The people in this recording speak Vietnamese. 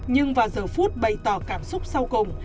nhưng vào giờ phút bày tỏ cảm xúc sau cùng